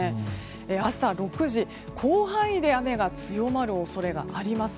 朝６時、広範囲で雨が強まる恐れがあります。